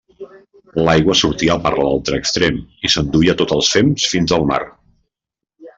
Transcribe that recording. L'aigua sortia per l'altre extrem i s'enduia tots els fems fins al mar.